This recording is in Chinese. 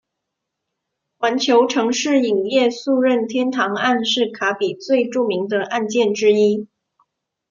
环球城市影业诉任天堂案是卡比最著名的案件之一。